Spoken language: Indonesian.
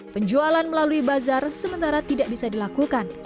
penjualan melalui bazar sementara tidak bisa dilakukan